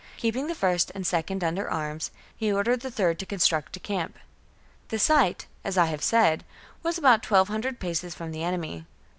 Keeping the first and second under arms, he ordered the third to construct a camp. The site, as I have said, was about twelve hundred paces from the enemy.